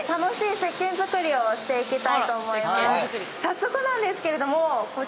早速なんですけれども。